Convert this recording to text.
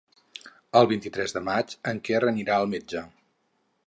El vint-i-tres de maig en Quer anirà al metge.